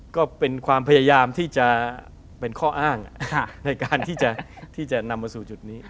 ก็เป็นความพยายามที่จะเป็นข้ออ้างในการที่จะนำมาสู่จุดนี้